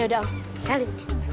yaudah om sali